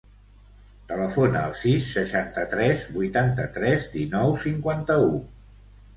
Telefona al sis, seixanta-tres, vuitanta-tres, dinou, cinquanta-u.